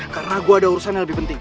karena gue ada urusan yang lebih penting